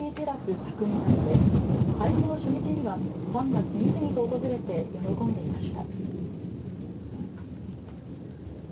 佐久南で配布の初日にはファンが次々と訪れて喜んでいました。